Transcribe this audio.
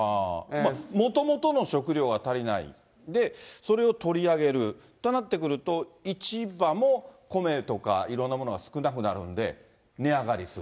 もともとの食糧が足りない、で、それを取り上げる、となってくると、市場もコメとかいろんなものが少なくなるんで、値上がりする。